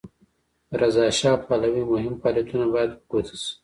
د رضاشاه پهلوي مهم فعالیتونه باید په ګوته شي.